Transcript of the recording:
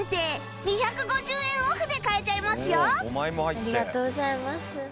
ありがとうございます。